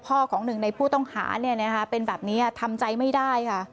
พ่อของหนึ่งในผู้ต้องหาเนี่ยนะคะเป็นแบบนี้อ่ะทำใจไม่ได้ค่ะ